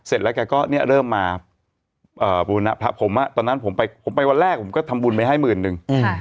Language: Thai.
เสร็จแล้วก็เริ่มมาบูรณภาพผมตอนนั้นผมไปวันแรกผมก็ทำบูรณ์ไปให้หมื่นหนึ่ง